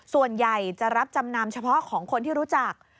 ส่วนใหญ่จะรับจำนำเฉพาะของคนที่รู้จัก